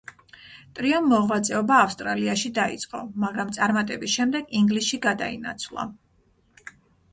ტრიომ მოღვაწეობა ავსტრალიაში დაიწყო, მაგრამ წარმატების შემდეგ ინგლისში გადაინაცვლა.